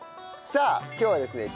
さあ今日はですね